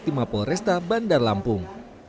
timah polresta bandar lampung